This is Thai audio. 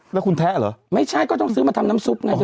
แล้วคุณแท้เหรอไม่ใช่ก็ต้องซื้อมาทำน้ำซุปไง